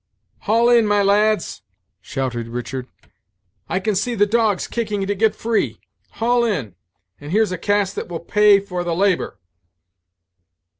"Haul in, my lads," shouted Richard "I can see the dogs kicking to get free. Haul in, and here's a cast that will pay for the labor."